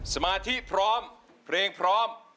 สมาธิพร้อมเพลงพร้อม